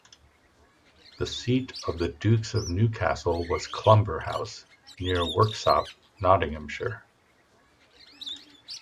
The seat of the Dukes of Newcastle was Clumber House near Worksop, Nottinghamshire.